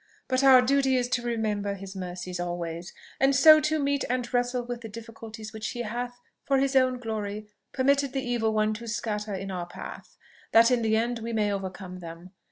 But our duty is to remember his mercies alway, and so to meet and wrestle with the difficulties which he hath for his own glory permitted the Evil One to scatter in our path, that in the end we may overcome them.